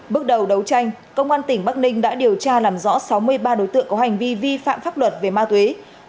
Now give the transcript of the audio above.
bước đầu đấu tranh công an tỉnh bắc ninh đã điều tra làm rõ sáu mươi ba đối tượng có hành vi vi phạm pháp luật về ma túy